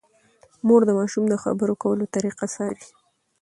مور د ماشوم د خبرو کولو طریقه څاري۔